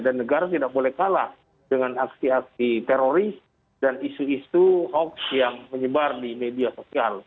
negara tidak boleh kalah dengan aksi aksi teroris dan isu isu hoax yang menyebar di media sosial